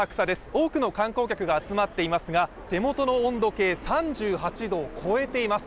多くの観光客が集まっていますが手元の温度計、３８度を超えています。